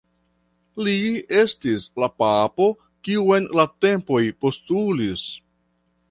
Li estis la papo kiun la tempoj postulis.